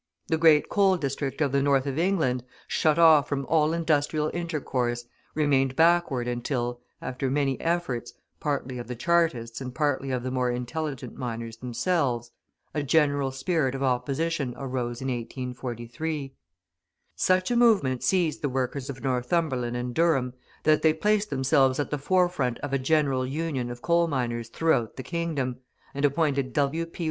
The great coal district of the North of England, shut off from all industrial intercourse, remained backward until, after many efforts, partly of the Chartists and partly of the more intelligent miners themselves, a general spirit of opposition arose in 1843. Such a movement seized the workers of Northumberland and Durham that they placed themselves at the forefront of a general Union of coal miners throughout the kingdom, and appointed W.